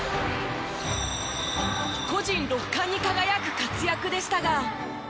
個人６冠に輝く活躍でしたが。